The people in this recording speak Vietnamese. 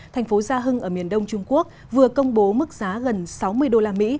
thành phố gia hưng ở miền đông trung quốc vừa công bố mức giá gần sáu mươi đô la mỹ